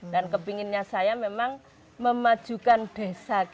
dan kepinginnya saya memang memajukan desa